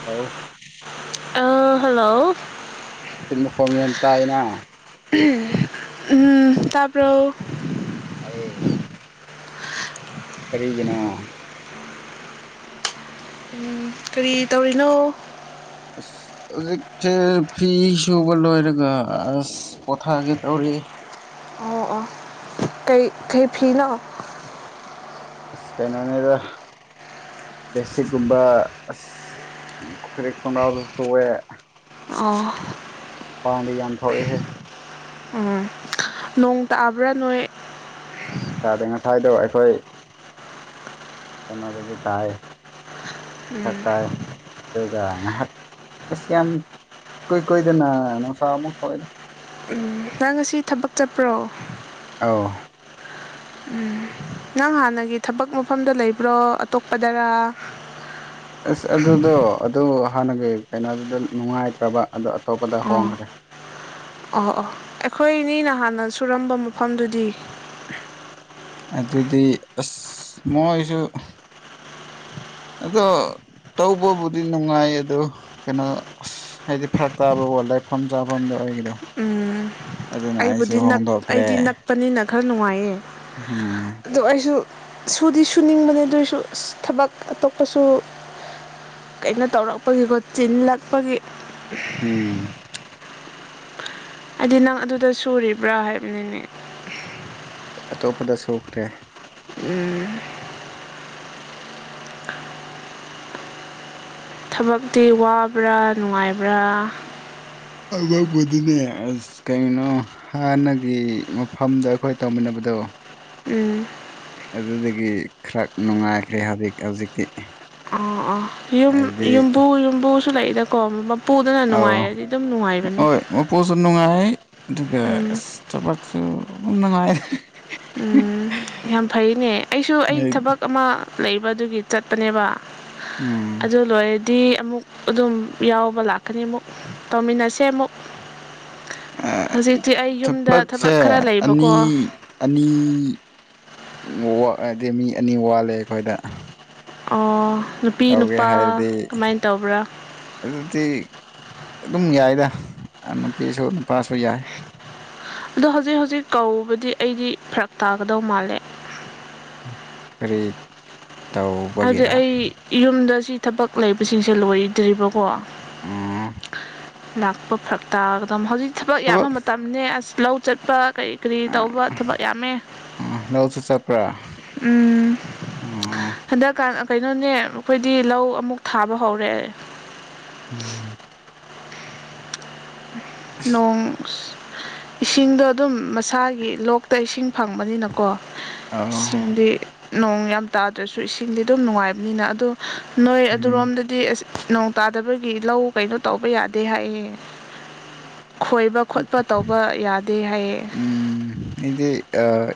ꯂꯥꯎꯑꯣ ꯑ ꯍꯜꯂꯣ ꯇꯤꯟ ꯃꯈꯣꯝ ꯌꯝ ꯇꯥꯏꯅ꯫ ꯎꯝ ꯇꯥꯄ꯭ꯔꯣ ꯑꯩꯌꯦ ꯀꯔꯤꯒꯤꯅꯣ ꯎꯝ ꯀꯔꯤ ꯇꯧꯔꯤꯅꯣ꯫ ꯑꯁ ꯍꯧꯖꯤꯛꯁꯦ ꯐꯤ ꯁꯨꯕ ꯂꯣꯏꯔꯒ ꯑꯁ ꯄꯣꯊꯥꯒꯦ ꯇꯧꯔꯤ꯫ ꯑꯣ ꯑꯣ ꯀꯩ ꯀꯩ ꯐꯤꯅꯣ꯫ ꯑꯁ ꯀꯩꯅꯣꯅꯦꯗ꯫ ꯕꯦꯁꯤꯒꯨꯝꯕ ꯑꯁ ꯐꯔꯤꯠ ꯈꯣꯡꯅꯥꯎꯗ ꯁꯧꯑꯦ꯫ ꯑꯣ ꯄꯟꯗ ꯌꯝ ꯊꯧꯔꯦ ꯍꯦ꯫ ꯎꯝ ꯅꯣꯡ ꯇꯥꯕ꯭ꯔꯥ ꯅꯣꯏ꯫ ꯅꯣꯡ ꯇꯥꯗꯦ ꯉꯁꯥꯏꯗꯣ ꯑꯩꯈꯣꯏ ꯀꯩꯅꯣꯗꯗꯤ ꯇꯥꯏ ꯇꯠꯇꯥꯏ ꯑꯗꯨꯒ ꯉꯥꯏꯍꯥꯛ ꯑꯁ ꯌꯥꯝ ꯀꯨꯏ ꯀꯨꯏꯗꯅ ꯅꯨꯡꯁꯥ ꯑꯃꯨꯛ ꯊꯣꯛꯑꯩꯗ꯫ ꯅꯪ ꯉꯁꯤ ꯊꯕꯛ ꯆꯠꯄ꯭ꯔꯣ꯫ ꯑꯥꯎ ꯎꯝ ꯅꯪ ꯍꯥꯟꯅꯒꯤ ꯊꯕꯛ ꯃꯐꯝꯗ ꯂꯩꯕ꯭ꯔꯣ ꯑꯇꯣꯞꯄꯗꯔꯥ꯫ ꯑꯁ ꯑꯗꯨꯗꯣ ꯑꯗꯨ ꯍꯥꯟꯅꯒꯤ ꯀꯩꯅꯣꯗꯨꯗ ꯅꯨꯡꯉꯥꯏꯇ꯭ꯔꯕ ꯑꯗꯣ ꯑꯇꯣꯞꯄꯗ ꯑꯣ ꯍꯣꯡꯈ꯭ꯔꯦ ꯑꯣ ꯑꯣ ꯑꯩꯈꯣꯏꯅꯤ ꯅ ꯍꯥꯟꯅ ꯁꯨꯔꯝꯕ ꯃꯐꯝꯗꯨꯗꯤ꯫ ꯑꯗꯨꯗꯤ ꯑꯁ ꯃꯣꯏꯁꯨ ꯑꯗꯣ ꯇꯧꯕꯕꯨꯗꯤ ꯅꯨꯡꯉꯥꯏ ꯑꯗꯣ ꯀꯩꯅꯣ ꯑꯁ꯫ ꯍꯥꯏꯗꯤ ꯐꯔꯛ ꯇꯥꯕꯀꯣ ꯂꯩꯐꯝ ꯆꯥꯐꯝꯗꯣ ꯑꯣꯏꯒꯗꯣ꯫ ꯎꯝ ꯑꯩꯕꯨꯗꯤ ꯅꯛ ꯍꯣꯡꯗꯣꯛꯈ꯭ꯔꯦ ꯑꯩꯗꯤ ꯅꯛꯄꯅꯤꯅ ꯈꯔ ꯅꯨꯡꯉꯥꯏꯌꯦ꯫ ꯎꯝ ꯑꯗꯨ ꯑꯩꯁꯨ ꯁꯨꯗꯤ ꯁꯨꯅꯤꯡꯕꯅꯦ ꯑꯗꯨꯑꯣꯏꯁꯨ ꯑꯁ ꯊꯕꯛ ꯑꯇꯣꯞꯄꯁꯨ꯫ ꯀꯩꯅꯣ ꯇꯧꯔꯛꯄꯒꯤꯀꯣ ꯆꯤꯜꯂꯛꯄꯒꯤ꯫ ꯎꯝ ꯑꯗꯤ ꯅꯪ ꯑꯗꯨꯗ ꯁꯨꯔꯤꯕ꯭ꯔꯥ ꯍꯥꯏꯕꯅꯤꯅꯦ꯫ ꯑꯇꯣꯞꯄꯗ ꯁꯣꯛꯈ꯭ꯔꯦ꯫ ꯎꯝ ꯊꯕꯛꯇꯤ ꯋꯥꯕ꯭ꯔꯥ ꯅꯨꯡꯉꯥꯏꯕ꯭ꯔꯥ꯫ [unintelligible] ꯅꯦ ꯑꯁ ꯀꯩꯅꯣ ꯍꯥꯟꯅꯒꯤ ꯃꯐꯝꯗ ꯑꯈꯣꯏ ꯇꯧꯃꯤꯟꯅꯕꯗꯣ꯫ ꯎꯝ ꯑꯗꯨꯗꯨꯒꯤ ꯈꯔ ꯅꯨꯡꯉꯥꯏꯈ꯭ꯔꯦ ꯍꯧꯖꯤꯛ ꯍꯧꯖꯤꯛꯇꯤ꯫ ꯑ ꯑꯥ ꯌꯨꯝ ꯍꯥꯏꯗꯤ ꯌꯨꯝꯕꯨ ꯌꯨꯝꯕꯨꯁꯨ ꯂꯩꯏꯗꯀꯣ ꯃꯄꯨꯗꯨꯅ ꯅꯨꯡꯉꯥꯏꯔꯗꯤ ꯑꯗꯨꯝ ꯅꯨꯡꯉꯥꯏꯕꯅꯦ꯫ ꯃꯄꯣꯁꯨ ꯅꯨꯡꯉꯥꯏ ꯑꯗꯨꯒ ꯎꯝ ꯑꯁ ꯊꯕꯛꯁꯨ ꯅꯨꯡꯉꯥꯏꯌꯦ꯫ ꯎꯝ ꯌꯥꯝ ꯐꯩꯅꯦ ꯑꯩꯁꯨ ꯑꯩ ꯊꯕꯛ ꯑꯃ ꯂꯩꯕ ꯑꯗꯨꯒꯤ ꯆꯠꯄꯅꯦꯕ ꯎꯝ ꯑꯗꯨ ꯂꯣꯏ ꯗꯤ ꯑꯃꯨꯛ ꯑꯗꯨꯝ ꯌꯥꯎꯕ ꯂꯥꯛꯀꯅꯤ ꯑꯃꯨꯛ ꯇꯧꯃꯤꯟꯅꯁꯦ ꯑꯃꯨꯛ ꯍꯧꯖꯤꯛꯇꯤ ꯑꯩ ꯌꯨꯝꯗ ꯊꯕꯛ ꯊꯕꯛꯁꯦ ꯈꯔ ꯂꯩꯕꯀꯣ ꯑꯅꯤ ꯑꯅꯤ ꯍꯥꯏꯗꯤ ꯃꯤ ꯑꯅꯤ ꯋꯥꯠꯂꯦ ꯑꯩꯈꯣꯏꯗ ꯑꯣ ꯅꯨꯄꯤ ꯇꯧꯒꯦ ꯅꯨꯄꯥ ꯍꯥꯏꯔꯗꯤ ꯀꯃꯥꯏꯅ ꯇꯧꯕ꯭ꯔꯥ ꯑꯗꯨꯗꯤ ꯑꯗꯨꯝ ꯌꯥꯏꯗ ꯅꯨꯄꯤꯁꯨ ꯅꯨꯄꯥꯁꯨ ꯌꯥꯏ ꯑꯗꯣ ꯍꯧꯖꯤꯛ ꯍꯧꯖꯤꯛ ꯀꯗꯤ ꯑꯩꯗꯤ ꯐꯔꯛ ꯇꯥꯒꯗꯧ ꯃꯥꯜꯂꯦ ꯐꯔꯦꯠ ꯍꯥꯏꯗꯤ ꯑꯩ ꯌꯨꯝꯗ ꯁꯤ ꯊꯕꯛ ꯂꯩꯕꯁꯤꯡꯁꯦ ꯂꯣꯏꯗ꯭ꯔꯤꯕꯀꯣ ꯎꯝ ꯂꯥꯛꯄ ꯐꯔꯛ ꯇꯥꯒꯗ ꯍꯧꯖꯤꯛ ꯊꯕꯛ ꯌꯥꯝꯕ ꯃꯇꯝꯅꯤ ꯑꯁ ꯂꯧ ꯆꯠꯄ ꯀꯔꯤ ꯀꯔꯤ ꯇꯧꯕ ꯊꯕꯛ ꯌꯥꯝꯃꯦ ꯂꯧꯁꯨ ꯆꯠꯄ꯭ꯔꯥ ꯎꯝ ꯑꯣ ꯍꯟꯗꯛꯀꯥꯟ ꯀꯩꯅꯣꯅꯦ ꯑꯩꯈꯣꯏꯗꯤ ꯂꯧ ꯑꯃꯨꯛ ꯊꯥꯕ ꯍꯧꯔꯦ ꯎꯝ ꯅꯣꯡ ꯏꯁꯤꯡꯗꯣ ꯑꯗꯨꯝ ꯃꯁꯥꯒꯤ ꯂꯣꯛꯇ ꯏꯁꯤꯡ ꯐꯪꯕꯅꯤꯅꯀꯣ ꯑ ꯏꯁꯤꯡꯗꯤ ꯅꯣꯡ ꯌꯥꯝ ꯇꯥꯗ꯭ꯔꯁꯨ ꯏꯁꯤꯡꯗꯤ ꯑꯗꯨꯝ ꯅꯨꯡꯉꯥꯏꯕꯅꯤꯅ ꯑꯗꯨ ꯅꯣꯏ ꯎꯝ ꯑꯗꯨꯔꯣꯝꯗꯗꯤ ꯗꯤ ꯑꯁ ꯅꯣꯡ ꯇꯥꯗꯕꯒꯤ ꯂꯧ ꯀꯩꯅꯣ ꯇꯧꯕ ꯌꯥꯗꯦ ꯍꯥꯏꯌꯦ ꯈꯣꯏꯕ ꯎꯝ ꯈꯣꯠꯄ ꯇꯧꯕ ꯌꯥꯗꯦ ꯍꯥꯏꯌꯦ ꯏꯗꯤ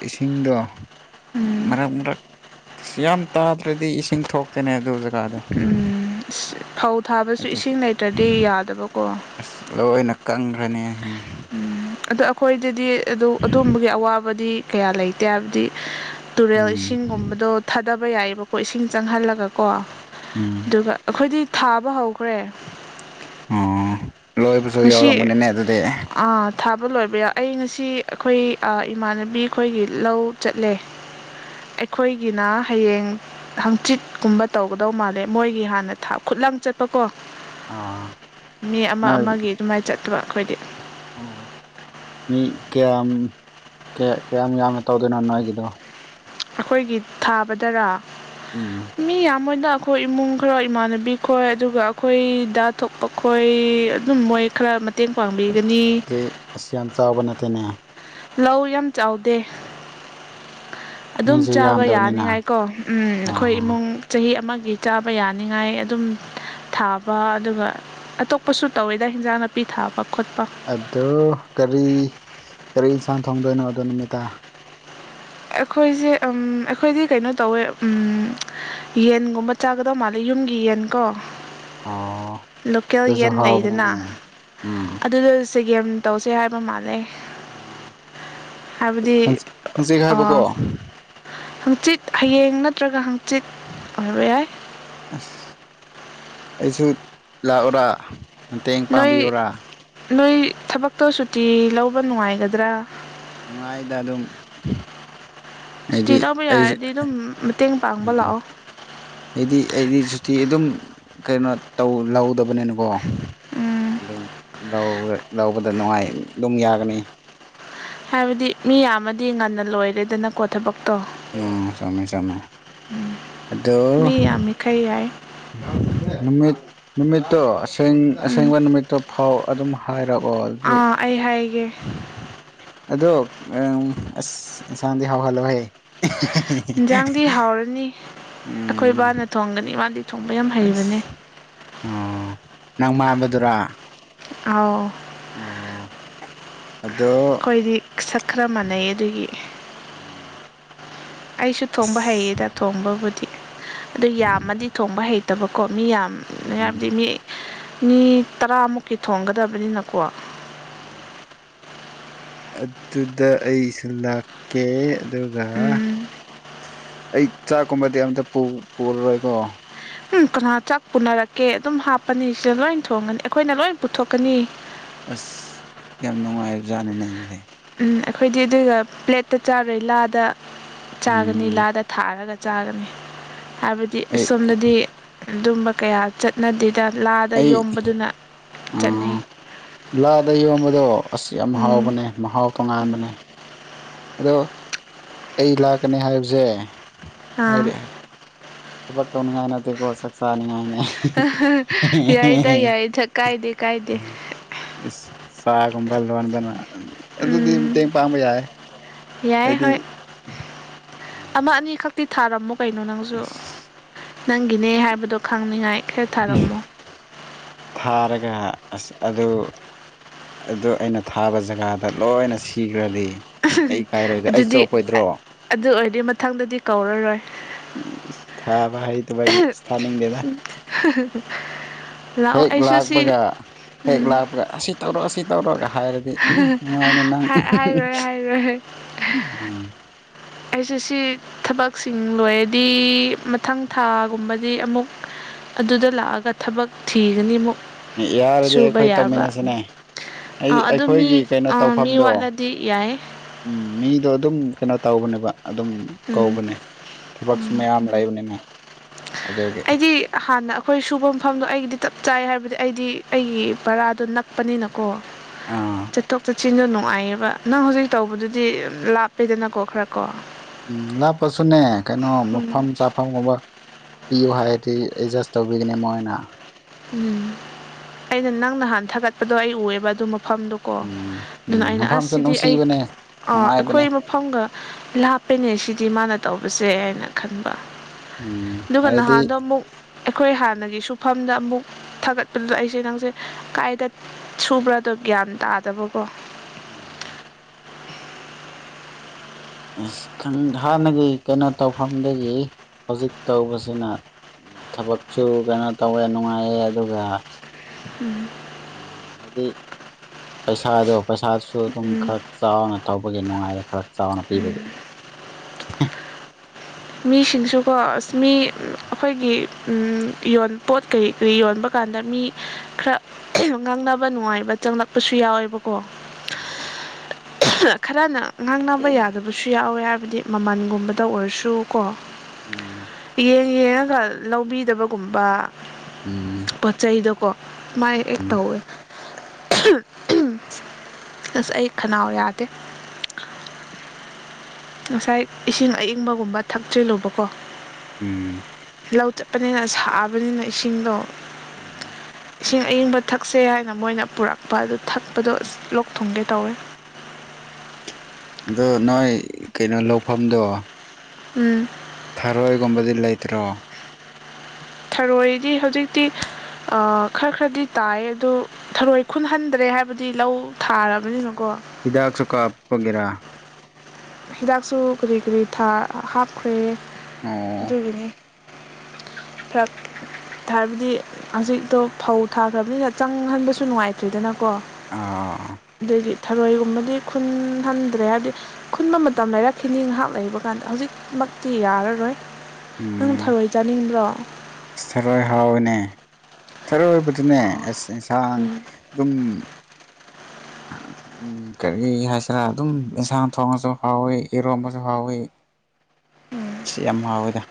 ꯏꯁꯤꯡꯗꯣ ꯎꯝ ꯃꯔꯛ ꯃꯔꯛ ꯑ ꯌꯥꯝ ꯇꯥꯗ꯭ꯔꯗꯤ ꯏꯁꯤꯡ ꯊꯣꯛꯇꯅꯦ ꯑꯗꯨ ꯖꯒꯥꯗꯣ ꯎꯝ ꯐꯧ ꯊꯥꯕꯁꯨ ꯑꯗꯨꯒꯤ ꯏꯁꯤꯡ ꯂꯩꯇ꯭ꯔꯗꯤ ꯌꯥꯗꯕꯀꯣ ꯑꯁ ꯂꯣꯏꯅ ꯀꯪꯈ꯭ꯔꯅꯤ ꯎꯝ ꯑꯗꯣ ꯑꯩꯈꯣꯏꯗꯗꯤ ꯑꯗꯨ ꯑꯗꯨꯝꯕꯒꯤ ꯑꯋꯥꯕꯗꯤ ꯀꯌꯥ ꯂꯩꯇꯦ ꯍꯥꯏꯕꯗꯤ ꯇꯨꯔꯦꯜ ꯎꯝ ꯏꯁꯤꯡꯒꯨꯝꯕꯗꯣ ꯊꯥꯗꯕ ꯌꯥꯏꯌꯦꯑꯕꯀꯣ ꯏꯁꯤꯡ ꯆꯪꯍꯜꯂꯒꯀꯣ ꯎꯝ ꯑꯗꯨꯒ ꯑꯩꯈꯣꯏꯗꯤ ꯊꯥꯕ ꯍꯧ ꯈꯔ‌ꯦ ꯑꯣ ꯂꯣꯏꯕꯁꯨ ꯌꯥꯎꯔꯝꯒꯅꯤꯅꯦ ꯑꯗꯨꯗꯤ ꯊꯥꯕ ꯂꯣꯏꯕ ꯌꯥꯏ ꯑꯩ ꯉꯁꯤ ꯑꯩꯈꯣꯏ ꯏꯃꯥꯟꯅꯕꯤ ꯑꯩꯈꯣꯏꯒꯤ ꯂꯧ ꯆꯠꯂꯦ ꯑꯩꯈꯣꯏꯒꯤꯅ ꯍꯌꯦꯡ ꯍꯪꯆꯤꯠꯀꯨꯝꯕ ꯇꯧꯒꯗꯧ ꯃꯥꯜꯂꯦ ꯃꯣꯏꯒꯤ ꯍꯥꯟꯅ ꯊ ꯈꯨꯠꯂꯥꯡ ꯆꯠ ꯆꯠꯄꯀꯣ ꯑꯥ ꯃꯤ ꯑꯃ ꯅꯣꯏ ꯑꯃꯒꯤ ꯑꯗꯨꯃꯥꯏꯅ ꯆꯠꯇꯕ ꯑꯩꯈꯣꯏꯗꯤ ꯑꯣ ꯃꯤ ꯀꯌꯥꯝ ꯀꯌꯥ ꯀꯌꯥꯝ ꯌꯥꯝꯅ ꯇꯧꯗꯣꯏꯅꯣ ꯅꯣꯏꯒꯤꯗꯣ ꯑꯩꯈꯣꯏꯒꯤ ꯊꯥꯕꯗꯔꯥ ꯎꯝ ꯃꯤ ꯌꯥꯝꯕꯅ ꯑꯩꯈꯣꯏ ꯏꯃꯨꯡ ꯈꯔꯣꯏ ꯏꯃꯥꯟꯅꯕꯤ ꯈꯣꯏ ꯑꯗꯨꯒ ꯑꯩꯈꯣꯏꯗ ꯊꯣꯛꯄ ꯈꯣꯏ ꯑꯗꯨꯝ ꯃꯣꯏ ꯈꯔ ꯃꯇꯦꯡ ꯄꯥꯡꯕꯤꯒꯅꯤ ꯑꯗꯨꯗꯤ ꯑꯁꯤ ꯌꯥꯝ ꯆꯥꯎꯕ ꯅꯠꯇꯦꯅꯦ ꯂꯧ ꯌꯥꯝ ꯆꯥꯎꯗꯦ ꯑꯗꯨꯝ ꯃꯤꯁꯨ ꯆꯥꯕ ꯌꯥꯝꯗꯕꯅꯤꯅ ꯌꯥꯅꯤꯉꯥꯏꯀꯣ ꯑꯩꯈꯣꯏ ꯑꯣ ꯏꯃꯨꯡ ꯆꯍꯤ ꯑꯃꯒꯤ ꯆꯥꯕ ꯌꯥꯅꯤꯡꯉꯥꯏ ꯑꯗꯨꯝ ꯊꯥꯕ ꯑꯗꯨꯒ ꯑꯇꯣꯞꯄꯁꯨ ꯇꯧꯋꯦꯗ ꯍꯤꯟꯖꯥꯡ ꯅꯥꯄꯤ ꯊꯥꯕ ꯈꯣꯠꯄ ꯑꯣ ꯀꯔꯤ ꯀꯔꯤ ꯌꯦꯟꯁꯥꯡ ꯊꯣꯡꯗꯣꯏꯅꯣ ꯑꯗꯣ ꯅꯨꯃꯤꯗꯥ ꯑꯩꯈꯣꯏꯁꯦ ꯑꯩꯈꯣꯏꯗꯤ ꯀꯩꯅꯣ ꯇꯧꯋꯦ ꯌꯦꯟꯒꯨꯝꯕ ꯆꯥꯒꯗꯧ ꯃꯥꯜꯂꯦ ꯌꯨꯝꯒꯤ ꯌꯦꯟꯀꯣ ꯑꯣ ꯂꯣꯀꯦꯜ ꯑꯗꯨꯁꯨ ꯌꯦꯟ ꯂꯩꯗꯅ ꯍꯥꯎꯕꯅꯤꯅꯦ ꯎꯝ ꯑꯗꯨꯗ ꯆꯒꯦꯝ ꯇꯧꯁꯦ ꯍꯥꯏꯕ ꯃꯥꯥꯟꯂ‌ꯦ ꯍꯪꯆꯤꯠ ꯍꯥꯏꯕꯀꯣ ꯍꯪꯆꯤꯠ ꯍꯌꯦꯡ ꯅꯠꯇ꯭ꯔꯒ ꯍꯪꯆꯤꯠ ꯑꯣꯏꯕ ꯌꯥꯏ ꯑꯁ ꯑꯩꯁꯨ ꯂꯥꯛꯑꯣꯔꯥ ꯃꯇꯦꯡ ꯅꯣꯏ ꯄꯥꯡꯕꯤꯌꯨꯔꯥ ꯅꯣꯏ ꯊꯕꯛꯇꯣ ꯁꯨꯇꯤ ꯂꯧꯕ ꯅꯨꯡꯉꯥꯏꯒꯗ꯭ꯔꯥ ꯅꯨꯡꯉꯥꯏꯗ ꯑꯗꯨꯝ ꯁꯨꯇꯤ ꯍꯥꯏꯗꯤ ꯂꯧꯕ ꯑꯩ ꯌꯥꯔꯗꯤ ꯑꯗꯨꯝ ꯃꯇꯦꯡ ꯄꯥꯡꯕ ꯎꯝ ꯂꯥꯛꯑꯣ ꯑꯩꯗꯤ ꯑꯩꯗꯤ ꯁꯨꯇꯤ ꯑꯗꯨꯝ ꯀꯩꯅꯣ ꯇꯧ ꯂꯧꯗꯕꯅꯤꯅꯀꯣ ꯎꯝ ꯑꯗꯨꯝ ꯂꯧꯕꯗ ꯅꯨꯡꯉꯥꯏ ꯑꯗꯨꯝ ꯌꯥꯒꯅꯤ ꯍꯥꯏꯕꯗꯤ ꯃꯤ ꯌꯥꯝꯃꯗꯤ ꯉꯟꯅ ꯂꯣꯏꯔꯦꯗꯅꯀꯣ ꯊꯕꯛ ꯎꯝ ꯆꯃꯦ ꯆꯃꯦ ꯑꯗꯣ ꯃꯤ ꯌꯥꯝꯃꯤꯈꯩ ꯌꯥꯏ ꯅꯨꯃꯤꯠ ꯅꯨꯃꯤꯠꯇꯨ ꯁꯦꯡ ꯎꯝ ꯑꯁꯦꯡꯕ ꯅꯨꯃꯤꯠꯇꯨ ꯐꯥꯎ ꯑꯗꯨꯝ ꯍꯥꯏꯔꯛꯑꯣ ꯑꯗꯨꯏ ꯑꯥ ꯑꯩ ꯍꯥꯏꯒꯦ ꯑꯗꯣ ꯑꯁ ꯏꯟꯁꯥꯡꯗꯤ ꯍꯥꯎꯍꯜꯂꯣꯍꯦ ꯏꯟꯖꯥꯡꯗꯤ ꯍꯥꯎꯔꯅꯤ ꯑꯩꯈꯣꯏ ꯎꯝ ꯕꯥꯅ ꯊꯣꯡꯒꯅꯤ ꯃꯥꯗꯤ ꯊꯣꯡꯕ ꯌꯥꯝ ꯍꯩꯕꯅꯦ ꯑꯁ ꯑꯣ ꯅꯪ ꯃꯥꯕꯗꯨꯔꯥ ꯑꯥꯎ ꯑꯣ ꯑꯗꯣ ꯑꯩꯈꯣꯏꯗꯤ ꯁꯛ ꯈꯔ ꯃꯥꯟꯅꯩ ꯑꯗꯨꯒꯤ ꯎꯝ ꯑꯩꯁꯨ ꯊꯣꯡꯕ ꯍꯩꯌꯦꯗ ꯊꯣꯡꯕꯕꯨꯗꯤ ꯑꯗꯨ ꯌꯥꯝꯃꯗꯤ ꯊꯣꯡꯕ ꯍꯩꯇꯕꯀꯣ ꯃꯤ ꯌꯥꯝ ꯍꯥꯏꯕꯗꯤ ꯎꯝ ꯃꯤ ꯃꯤ ꯇꯔꯥꯃꯨꯛꯀꯤ ꯊꯣꯡꯒꯗꯕꯅꯤꯅꯀꯣ ꯎꯝ ꯑꯗꯨꯗ ꯑꯩꯁꯨ ꯂꯥꯛꯀꯦ ꯑꯗꯨꯒ ꯎꯝ ꯑꯩ ꯆꯥꯛꯀꯨꯝꯕꯗꯤ ꯑꯝꯇ ꯄꯨꯔꯔꯣꯏꯀꯣ ꯎꯝ ꯀꯅꯥ ꯆꯥꯛ ꯄꯨꯅꯔꯛꯀꯦ ꯑꯗꯨꯝ ꯍꯥꯞꯄꯅꯤ ꯁꯤꯗ ꯂꯣꯏ ꯊꯣꯡꯒꯅꯤ ꯑꯩꯈꯣꯏꯅ ꯂꯣꯏ ꯄꯨꯊꯣꯛꯀꯅꯤ ꯑꯁ ꯌꯥꯝ ꯅꯨꯡꯉꯥꯏꯕꯖꯥꯠꯅꯦꯅꯦꯗꯤ ꯎꯝ ꯑꯩꯈꯣꯏꯗꯤ ꯑꯗꯨꯒ ꯄ꯭ꯂꯦꯠꯇ ꯆꯥꯔꯣꯏ ꯂꯥꯗ ꯆꯥꯒꯅꯤ ꯎꯝ ꯂꯥꯗ ꯊꯥꯔꯒ ꯆꯥꯒꯅꯤ ꯍꯥꯏꯕꯗꯤ ꯑꯩ ꯁꯣꯝꯗꯗꯤ ꯑꯗꯨꯝꯕ ꯀꯌꯥ ꯆꯠꯅꯗꯦ ꯂꯥꯗ ꯑꯩ ꯌꯣꯝꯕꯗꯨꯅ ꯆꯠꯅꯩ ꯎꯝ ꯂꯥꯗ ꯌꯣꯝꯕꯗꯣ ꯑꯁ‌ ꯌꯥꯝ ꯎꯝ ꯍꯥꯎꯕꯅꯦ ꯃꯍꯥꯎ ꯇꯣꯉꯥꯟꯕꯅꯦ ꯑꯗꯣ ꯑꯩ ꯂꯥꯛꯀꯅꯤ ꯍꯥꯏꯕꯁꯦ ꯑꯥ ꯍꯥꯏꯔꯦ ꯊꯕꯛ ꯇꯧꯅꯤꯡꯉꯥꯏ ꯅꯠꯇꯦꯀꯣ ꯆꯥꯛ ꯆꯥꯅꯤꯡꯉꯥꯏꯅꯤ ꯌꯥꯏꯗ ꯌꯥꯏꯗ ꯀꯥꯏꯗꯦ ꯀꯥꯏꯗꯦ ꯑ ꯁꯥꯒꯨꯝꯕ ꯂꯣꯟꯕꯅ ꯑꯗꯨꯗꯤ ꯎꯝ ꯃꯇꯦꯡ ꯄꯥꯡꯕ ꯌꯥꯏꯌꯦ ꯌꯥꯏ ꯍꯣꯏ ꯑꯃ ꯎꯝ ꯑꯅꯤꯈꯛꯇꯤ ꯊꯥꯔꯝꯃꯣ ꯀꯩꯅꯣ ꯅꯪꯁꯨ ꯑꯁ ꯅꯪꯒꯤꯅꯦ ꯍꯥꯏꯕꯗꯣ ꯈꯪꯅꯤꯡꯉꯥꯏ ꯈꯔ ꯊꯥꯔꯝꯃꯣ ꯊꯥꯔꯒ ꯑꯁ ꯑꯗꯨ ꯑꯗꯨ ꯑꯩꯅ ꯊꯥꯕ ꯖꯒꯥꯗ ꯂꯣꯏꯅ ꯁꯤꯈ꯭ꯔꯗꯤ ꯑꯩ ꯏꯀꯥꯏꯔꯣꯏꯗ꯭ꯔꯥ ꯑꯩ ꯑꯗꯨꯗꯤ ꯆꯣꯞꯄꯣꯏꯗ꯭ꯔꯣ ꯑꯗꯨ ꯑꯣꯏꯔꯗꯤ ꯃꯊꯪꯗꯗꯤ ꯀꯧꯔꯔꯣꯏ ꯎ ꯊꯥꯕ ꯍꯥꯏ ꯁꯦ ꯏꯁ꫰ꯂꯥꯎꯆꯤꯪ [unintelligible] ꯍꯦꯛ ꯂꯥꯛꯄꯒ ꯍꯦꯛ ꯂꯥꯛꯄꯒ ꯑꯁꯤ ꯇꯧꯔꯣ ꯁꯤ ꯇꯧꯔꯣꯒ ꯍꯥꯏꯔꯗꯤ ꯎꯝ ꯅꯨꯡꯉꯥꯏꯅꯤ ꯅꯪ ꯍꯥꯏꯔꯣꯏ ꯍꯥꯏꯔꯣꯏ ꯎꯝ ꯑꯩꯁꯦ ꯁꯤ ꯊꯕꯛꯁꯤꯡ ꯂꯣꯏꯔꯗꯤ ꯃꯊꯪ ꯊꯥꯒꯨꯝꯕꯗꯤ ꯑꯃꯨꯛ ꯑꯗꯨꯗ ꯂꯥꯛꯑꯒ ꯊꯕꯛ ꯊꯤꯒꯅꯤ ꯑꯃꯨꯛ ꯌꯥꯔꯗꯤ ꯁꯨꯕ ꯑꯩꯈꯣꯏ ꯌꯥꯕ ꯇꯧꯃꯤꯟꯅꯁꯤꯅꯦ ꯑꯥ ꯑꯗꯨ ꯃꯤ ꯑꯩꯈꯣꯏꯒꯤ ꯀꯩꯅꯣ ꯑꯥ ꯃꯤ ꯇꯧꯐꯝꯗꯣ ꯋꯥꯠꯂꯗꯤ ꯌꯥꯏ ꯎꯝ ꯃꯤꯗꯣ ꯑꯗꯨꯝ ꯀꯩꯅꯣ ꯇꯧꯕꯅꯦꯕ ꯑꯗꯨꯝ ꯎꯝ ꯀꯧꯕꯅꯦ ꯊꯕꯛꯁꯨ ꯃꯌꯥꯝ ꯂꯩꯕꯅꯦꯃꯦ ꯑꯩꯗꯤ ꯍꯥꯟꯅ ꯑꯩꯈꯣꯏ ꯁꯨꯕ ꯃꯐꯝꯗꯣ ꯑꯩꯒꯤꯗꯤ ꯆꯞ ꯆꯥꯏ ꯍꯥꯏꯕꯗꯤ ꯑꯩꯗꯤ ꯑꯩꯒꯤ ꯄꯔꯥꯗꯣ ꯅꯛ ꯅꯛꯄꯅꯦꯅꯥꯀꯣ ꯑꯥ ꯆꯠꯊꯣꯛ ꯆꯠꯁꯤꯟ ꯅꯨꯡꯉꯥꯏꯌꯦꯕ ꯅꯪ ꯍꯧꯖꯤꯛ ꯇꯧꯕꯗꯨꯗꯤ ꯂꯥꯞꯄꯦꯗꯅꯀꯣ ꯈꯔ ꯀꯣ ꯎꯝ ꯂꯥꯞꯄꯁꯨꯅꯦ ꯀꯩꯅꯣ ꯃꯐꯝ ꯆ ꯃꯐꯝꯒꯨꯝꯕ ꯄꯤꯌꯨ ꯍꯥꯏꯔꯗꯤ ꯑꯦꯗꯖꯁ ꯇꯧꯕꯤꯒꯅꯤ ꯃꯣꯏꯅ ꯎꯝ ꯑꯩꯅ ꯅꯪ ꯅꯍꯥꯟ ꯊꯥꯒꯠꯄꯗꯣ ꯑꯩ ꯎꯑꯕ ꯑꯗꯨ ꯃꯐꯝꯗꯨꯣ ꯀꯣ ꯎꯝ ꯑꯗꯨꯅ ꯎꯝ ꯑꯩꯅ ꯃꯐꯝꯁꯨ ꯑꯁꯤꯁꯤꯗꯤ ꯑꯩ ꯅꯨꯡꯁꯤꯕꯅꯦ ꯅꯨꯡꯉꯥꯏꯕꯅꯦ ꯑꯩꯈꯣꯏ ꯃꯐꯝꯒ ꯂꯥꯞꯄꯅꯦ ꯁꯤꯗꯤ ꯃꯥꯅ ꯇꯧꯕꯁꯦ ꯍꯥꯏꯅ ꯈꯟꯕ ꯎꯝ ꯑꯗꯨꯒ ꯍꯥꯏꯗꯤ ꯅꯍꯥꯟꯗꯣ ꯑꯃꯨꯛ ꯑꯩꯈꯣꯏ ꯍꯥꯟꯅꯒꯤ ꯁꯨꯐꯝꯗ ꯑꯃꯨꯛ ꯊꯥꯒꯠꯄꯗꯨꯗ ꯑꯩꯁꯦ ꯅꯪꯁꯦ ꯀꯥꯏꯗ ꯁꯨꯕ꯭ꯔꯥꯗꯣ ꯒ꯭ꯌꯥꯟ ꯇꯥꯗꯕꯀꯣ ꯑ ꯑ ꯍꯥꯟꯅꯒꯤ ꯀꯩꯅꯣ ꯇꯧꯐꯝꯗꯒꯤ ꯍꯧꯖꯤꯛ ꯇꯧꯕꯁꯤꯅ ꯊꯕꯛꯁꯨ ꯀꯩꯅꯣ ꯇꯧꯋꯦ ꯅꯨꯡꯉꯥꯏꯑꯦ ꯑꯗꯨꯒ ꯎꯝ ꯎꯝ ꯍꯥꯏꯗꯤ ꯄꯩꯁꯥꯗꯣ ꯄꯩꯁꯥꯗꯨꯁꯨ ꯑꯗꯨꯝ ꯎꯝ ꯈꯔ ꯆꯥꯎꯅ ꯇꯧꯕꯒꯤ ꯅꯨꯡꯉꯥꯏꯔ ꯈꯔ ꯆꯥꯎꯅ ꯄꯤꯕꯒꯤ ꯃꯤꯁꯤꯡꯁꯨꯀꯣ ꯑꯁ ꯃꯤ ꯑꯩꯈꯣꯏꯒꯤ ꯌꯣꯟ ꯄꯣꯠ ꯀꯔꯤ ꯀꯔꯤ ꯌꯣꯟꯕ ꯀꯥꯟꯗ ꯃꯤ ꯈꯔ ꯉꯥꯡꯅꯕ ꯅꯨꯡꯉꯥꯏꯕ ꯆꯪꯂꯛꯄꯁꯨ ꯌꯥꯎꯋꯦꯕꯀꯣ ꯎꯝ [unintelligible] ꯈꯔꯅ ꯉꯥꯡꯅꯕ ꯌꯥꯗꯕꯁꯨ ꯌꯥꯎꯋꯦ ꯍꯥꯏꯕꯗꯤ ꯃꯃꯜꯒꯨꯝꯕꯗ ꯑꯣꯏꯔꯁꯨ ꯀꯣ ꯎꯝ ꯌꯦꯡ ꯌꯦꯡꯉꯒ ꯂꯧꯕꯤꯗꯕꯒꯨꯝꯕ ꯎꯝ ꯄꯣꯠ ꯆꯩꯗꯣꯀꯣ ꯃꯥꯏ ꯍꯦꯛ ꯎꯝ ꯇꯧꯋꯦ ꯑꯁ ꯑꯩ ꯈꯅꯥꯎ ꯌꯥꯗꯦ ꯉꯁꯥꯏ ꯏꯁꯤꯡ ꯑꯏꯪꯕꯒꯨꯝꯕ ꯊꯆꯤꯜꯂꯨꯕꯀꯣ ꯎꯝ ꯂꯧ ꯆꯠꯄꯅꯤꯅ ꯁꯥꯕꯅꯤꯅ ꯏꯁꯤꯡꯗꯣ ꯎꯝ [unintelligible] ꯏꯁꯤꯡ ꯑꯌꯤꯡꯕ ꯊꯛꯁꯦ ꯍꯥꯏꯅ ꯃꯣꯏꯅ ꯄꯨꯔꯛꯄ ꯑꯗꯨ ꯊꯛꯄꯗꯣ ꯑꯁ ꯂꯣꯛ ꯊꯨꯡꯒꯦ ꯇꯧꯋꯦ ꯑꯗꯣ ꯅꯣꯏ ꯀꯩꯅꯣ ꯂꯧꯐꯝꯗꯣ ꯎꯝ ꯊꯔꯣꯏꯒꯨꯝꯕꯗꯤ ꯂꯩꯇ꯭ꯔꯣ ꯊꯔꯣꯏꯗꯤ ꯍꯧꯖꯤꯛꯇꯤ ꯈꯔ ꯈꯔꯗꯤ ꯇꯥꯏ ꯑꯗꯨꯣ ꯊꯔꯣꯏ ꯈꯨꯟꯍꯟꯗ꯭ꯔꯦ ꯍꯥꯏꯕꯗꯤ ꯂꯧ ꯊꯥꯔꯕꯅꯤꯅꯀꯣ ꯍꯤꯗꯥꯛꯁꯨ ꯀꯥꯞꯄꯒꯤꯔꯥ ꯍꯤꯗꯥꯛꯁꯨ ꯀꯔꯤ ꯀꯔꯤ ꯍꯥꯞꯈ꯭ꯔꯦ ꯑꯣ ꯑꯗꯨꯒꯤꯅꯤ ꯐꯛ [unintelligible] ꯍꯥꯏꯕꯗꯤ ꯍꯧꯖꯤꯛꯇꯣ ꯐꯧ ꯊꯥꯈ꯭ꯔꯕꯅꯤꯅ ꯆꯪꯍꯟꯕꯁꯨ ꯅꯨꯡꯉꯥꯏꯇ꯭ꯔꯤꯗꯅꯀꯣ ꯑꯥ ꯑꯗꯒꯤ ꯊꯔꯣꯏꯒꯨꯝꯕꯗꯤ ꯈꯨꯟ ꯍꯟꯗ꯭ꯔꯦ ꯍꯥꯏꯕꯗꯤ ꯈꯨꯟꯕ ꯃꯇꯝ ꯂꯩꯔꯛꯈꯤꯅꯤ ꯉꯥꯏꯍꯥꯛ ꯂꯩꯕ ꯀꯥꯟꯗ ꯍꯧꯖꯤꯛꯃꯛꯇꯤ ꯌꯥꯔꯔꯣꯏ ꯅꯪ ꯎꯝ ꯐꯔꯣꯏ ꯆꯥꯅꯤꯡꯕ꯭ꯔꯣ ꯑꯁ ꯊꯔꯣꯏ ꯍꯥꯎꯋꯤꯅꯦ ꯊꯔꯣꯏꯕꯗꯨꯅꯦ ꯑꯁ ꯌꯦꯟꯁꯥꯡ ꯎꯝ ꯑꯗꯨꯝ ꯎ ꯀꯔꯤ ꯍꯥꯏꯁꯤꯔꯥ ꯑꯗꯨꯝ ꯑꯦꯟꯁꯥꯡ ꯊꯣꯡꯉꯁꯨ ꯍꯥꯎꯋꯤ ꯏꯔꯣꯝꯕꯁꯨ ꯍꯥꯎꯋꯤ ꯎꯝ ꯁꯤ ꯌꯥꯝ ꯍꯥꯎꯋꯦꯗ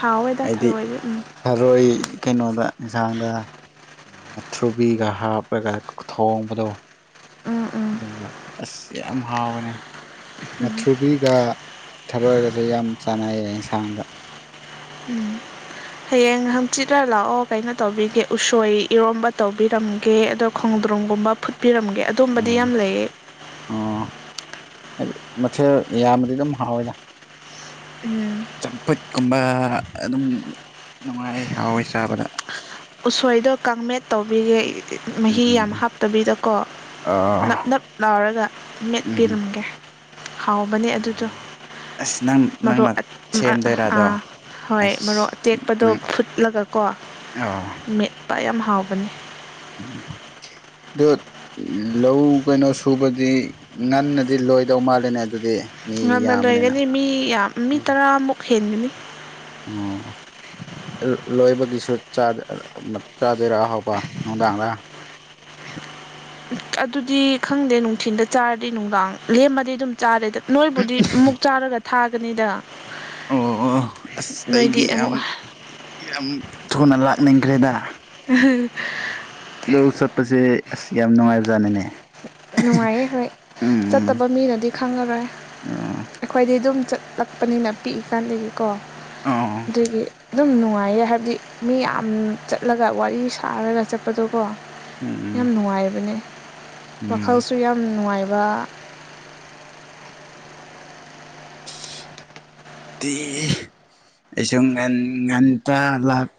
ꯊꯥꯎꯑꯣꯏꯗ ꯊꯔꯑꯣꯁ ꯎꯝ ꯁꯥꯔꯣꯏ ꯀꯩꯅꯣꯗ ꯌꯦꯟꯁꯥꯡꯗ ꯎ ꯊ꯭ꯔꯨꯕꯤꯒ ꯍꯥꯞꯂꯒ ꯊꯣꯡꯕꯗꯣ ꯎꯝ ꯎꯝ ꯑꯗꯨꯒ ꯑꯁ ꯌꯥꯝ ꯍꯥꯎꯕꯅꯦ ꯃꯊ꯭ꯔꯨꯕꯤꯒ ꯊꯔꯣꯏꯒꯁꯦ ꯌꯥꯝ ꯆꯥꯟꯅꯩꯌꯦ ꯌꯦꯟꯁꯥꯡꯗ ꯎꯝ ꯍꯌꯦꯡ ꯍꯪꯆꯤꯠꯅ ꯂꯥꯛꯑꯣ ꯀꯩꯅꯣ ꯇꯧꯕꯤꯒꯦ ꯎꯁꯣꯏ ꯏꯔꯣꯝꯕ ꯇꯧꯕꯤꯔꯝꯒ ꯀꯦ ꯑꯗꯣ ꯈꯣꯡꯗ꯭ꯔꯣꯝꯒꯨꯝꯕ ꯐꯨꯠꯄꯤꯔꯝꯒꯦ ꯑꯗꯨꯝꯕꯗꯤ ꯌꯥꯝ ꯂꯩꯌꯦ ꯑꯣ ꯍꯥꯏꯗꯤ ꯃꯊꯦꯜ ꯌꯥꯝꯕꯗꯤ ꯑꯗꯨꯝ ꯍꯥꯎꯋꯦꯗ ꯎꯝ ꯆꯝꯐꯨꯠꯀꯨꯝꯕ ꯑꯗꯨꯝ ꯅꯨꯡꯉꯥꯏ ꯍꯥꯎꯋꯦ ꯆꯥꯕꯗ ꯎꯁꯣꯏꯗꯣ ꯀꯥꯡꯃꯦꯠ ꯇꯧꯕꯤꯒꯦ ꯃꯍꯤ ꯎꯝ ꯌꯥꯝ ꯍꯥꯞ ꯇꯕꯤꯗꯀꯣ ꯑꯥ ꯅꯞ ꯅꯞ ꯂꯥꯎꯔꯒ ꯎꯝ ꯃꯦꯠꯄꯤꯔꯝꯒꯦ ꯍꯥꯎꯕꯅꯦ ꯑꯗꯨꯗꯣ ꯑꯁ ꯅꯪ ꯃꯔ ꯅꯪꯅ ꯁꯦꯝꯗꯣꯏꯔ ꯑꯗꯣ ꯑꯥ ꯍꯣꯏ ꯃꯔꯣꯛ ꯑꯁ ꯑꯇꯦꯛꯄꯗꯣ ꯅꯪ ꯐꯨꯠꯂꯒ ꯀꯣ ꯑꯥ ꯃꯦꯠꯄ ꯌꯥꯝ ꯍꯥꯎꯕꯅꯤ ꯎ ꯠ ꯂꯧ ꯀꯩꯅꯣ ꯁꯨꯕꯗꯤ ꯉꯟꯅꯗꯤ ꯂꯣꯏꯗꯧ ꯃꯥꯜꯜꯂꯤꯦꯅꯦ ꯑꯗꯨꯗꯤ ꯃꯤ ꯉꯅ ꯌꯥꯝꯕꯅꯤꯅ ꯂꯣꯏꯒꯅꯤ ꯃꯤ ꯌꯥꯝ ꯃꯤ ꯇꯔꯥꯃꯨꯛ ꯍꯦꯟꯒꯅꯤ ꯑꯣꯝ ꯂꯣꯏꯕꯒꯤꯁꯨ ꯆꯥꯗꯣꯏꯔꯥ ꯍꯥꯎꯕ ꯅꯨꯡꯗꯥꯡꯗ [unintelligible] ꯑꯗꯨꯗꯤ ꯈꯪꯗꯦ ꯅꯨꯡꯊꯤꯤꯟꯗ ꯆꯥꯔꯗꯤ ꯅꯨꯡꯗꯥꯡ ꯂꯦꯝꯃꯗꯤ ꯑꯗꯨꯝ ꯆꯥꯔꯦꯗ ꯅꯣꯏꯕꯨꯗꯤ ꯑꯃꯨꯛ ꯆꯥꯔꯒ ꯊꯥꯒꯅꯤꯗ ꯑꯣ ꯑꯣ ꯑꯁ ꯅꯣꯏꯗꯤ ꯑꯩꯗꯤ ꯌꯥꯝ ꯑꯃꯨꯛ ꯌꯥꯝ ꯊꯨꯅ ꯂꯥꯛꯅꯤꯡꯈ꯭ꯔꯦꯗ ꯎꯝ ꯂꯧ ꯆꯠꯄꯁꯦ ꯑꯁ ꯌꯥꯝ ꯅꯨꯡꯉꯥꯏꯕꯖꯥꯠꯅꯅꯦ ꯅꯨꯡꯉꯥꯏꯌꯦ ꯍꯣꯏ ꯆꯠꯇꯕ ꯃꯤꯅꯗꯤ ꯈꯪꯉꯔꯣꯏ ꯎꯝ ꯑꯩꯈꯣꯏꯗꯤ ꯑꯗꯨꯝ ꯆꯠꯂꯛꯄꯅꯤꯅ ꯄꯤꯛꯏꯀꯥꯟꯗꯒꯤꯀꯣ ꯑ ꯑ ꯎꯝ ꯑꯗꯨꯒꯤ ꯑꯗꯨꯝ ꯅꯨꯡꯉꯥꯏꯌꯦ ꯍꯥꯏꯕꯗꯤ ꯃꯤ ꯌꯥꯝ ꯆꯠꯂꯒ ꯋꯥꯔꯤ ꯁꯥꯔꯒ ꯆꯠꯄꯗꯣꯀꯣ ꯎꯝ ꯌꯥꯝ ꯅꯨꯡꯉꯥꯏꯕꯅꯦ ꯎꯝ ꯋꯥꯈꯜꯁꯨ ꯌꯥꯝ ꯅꯨꯡꯉꯥꯏꯕ ꯑꯩꯁꯨꯝ ꯉꯟ ꯂꯥꯛ